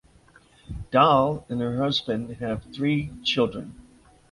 Dahle and her husband have three children.